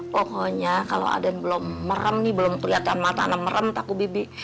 pokoknya kalau aden belum merem nih belum kelihatan mata anak merem takut bebi